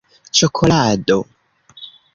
ĉokolado